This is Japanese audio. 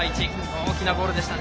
大きなゴールでした。